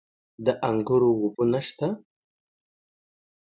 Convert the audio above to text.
د انګورو اوبه نشته؟